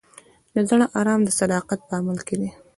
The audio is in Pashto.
د زړه ارام د صداقت په عمل کې دی.